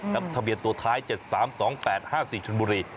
แล้วก็ทะเบียนตัวท้าย๗๓๒๘๕๔ชนบุรี